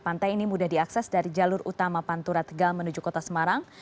pantai ini mudah diakses dari jalur utama pantura tegal menuju kota semarang